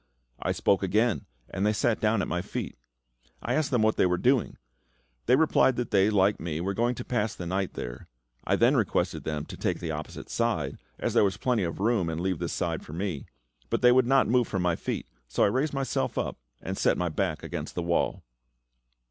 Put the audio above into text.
I spoke again, and they sat down at my feet. I asked them what they were doing; they replied that they, like me, were going to pass the night there. I then requested them to take the opposite side, as there was plenty of room, and leave this side to me; but they would not move from my feet, so I raised myself up and set my back against the wall.